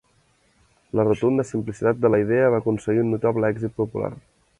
La rotunda simplicitat de la idea va aconseguir un notable èxit popular.